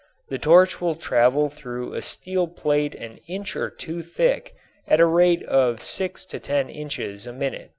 The torch will travel through a steel plate an inch or two thick at a rate of six to ten inches a minute.